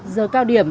giờ cao điểm